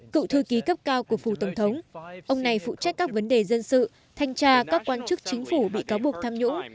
cựu thư ký cấp cao của phủ tổng thống ông này phụ trách các vấn đề dân sự thanh tra các quan chức chính phủ bị cáo buộc tham nhũng